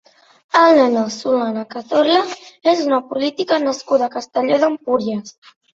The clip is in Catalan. Helena Solana Cazorla és una política nascuda a Castelló d'Empúries.